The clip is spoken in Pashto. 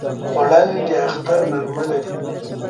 خوړل د اختر نغمه لري